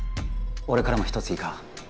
俺からも一ついいか？